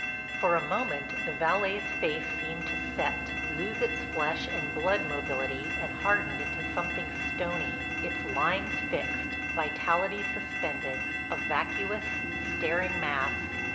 For a moment the valet's face seemed to set, lose its flesh and blood mobility and harden into something stony, its lines fixed, vitality suspended,—a vacuous, staring mask.